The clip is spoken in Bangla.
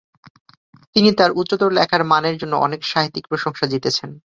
তিনি তার উচ্চতর লেখার মানের জন্য অনেক সাহিত্যিক প্রশংসা জিতেছেন।